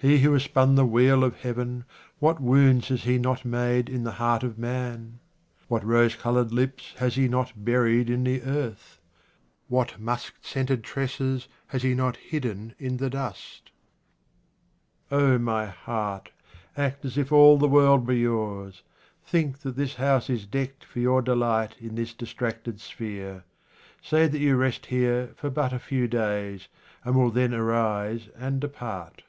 He who has spun the wheel of Heaven, what wounds has He not made in the heart of man ? What rose coloured lips has He not buried in the earth ? What musk scented tresses has He not hidden in the dust ? 74 QUATRAINS OF OMAR KHAYYAM MY heart, act as if all the world were yours — think that this house is decked for your de light in this distracted sphere. Say that you rest here for but a few days, and will then arise and depart.